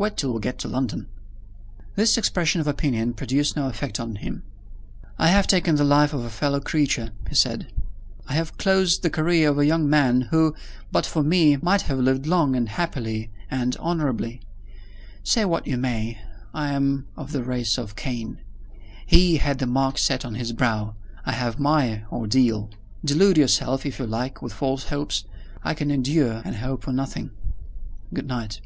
Wait till we get to London." This expression of opinion produced no effect on him. "I have taken the life of a fellow creature," he said. "I have closed the career of a young man who, but for me, might have lived long and happily and honorably. Say what you may, I am of the race of Cain. He had the mark set on his brow. I have my ordeal. Delude yourself, if you like, with false hopes. I can endure and hope for nothing. Good night."